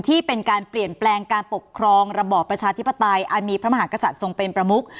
ที่เป็นการเปลี่ยนแปลงการปกครองระบอบประชาธิปไตยอันมีพระมหากษัตริย์ทรงเป็นประมุก